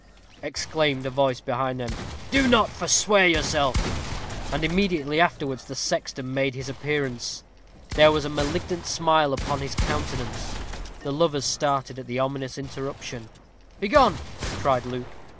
exclaimed a voice behind them. "Do not forswear yourself." And immediately afterwards the sexton made his appearance. There was a malignant smile upon his countenance. The lovers started at the ominous interruption. "Begone!" cried Luke.